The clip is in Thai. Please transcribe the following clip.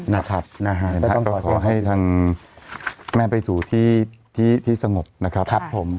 นะครับขอให้ทางแม่ไปสู่ที่สมบนะครับ